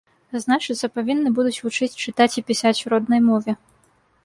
А значыцца, павінны будуць вучыць чытаць і пісаць у роднай мове.